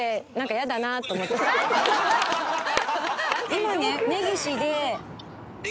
今ね。